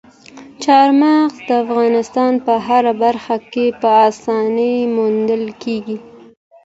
چار مغز د افغانستان په هره برخه کې په اسانۍ موندل کېږي.